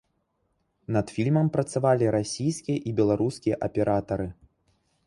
Над фільмам працавалі расійскія і беларускія аператары.